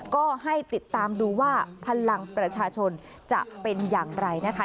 ก็ให้ติดตามดูว่าพลังประชาชนจะเป็นอย่างไรนะคะ